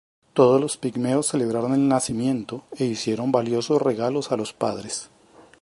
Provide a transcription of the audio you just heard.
Todos los pigmeos celebraron el nacimiento e hicieron valiosos regalos a los padres.